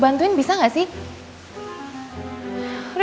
jadi aku harus bikin uang lagi ya